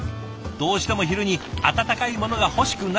どうしても昼に温かいものが欲しくなる。